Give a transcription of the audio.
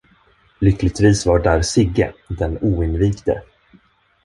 Lyckligtvis var där Sigge, den oinvigde.